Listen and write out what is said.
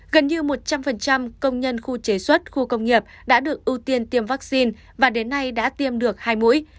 gần như một trăm linh công nhân khu chế xuất khu công nghiệp đã được ưu tiên tiêm vaccine và đến nay đã tiêm được hai mũi